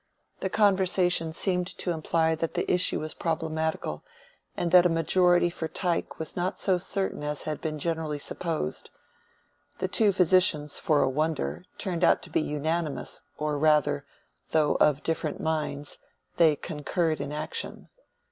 The conversation seemed to imply that the issue was problematical, and that a majority for Tyke was not so certain as had been generally supposed. The two physicians, for a wonder, turned out to be unanimous, or rather, though of different minds, they concurred in action.